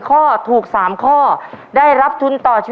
ภายในเวลา๓นาที